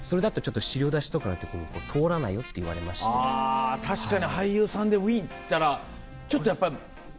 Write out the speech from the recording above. あ確かに俳優さんで「ウィン」っていったらちょっとやっぱ。